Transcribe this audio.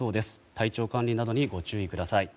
体調管理などにご注意ください。